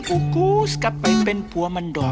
กูกูสกลับไปเป็นผัวมันดอก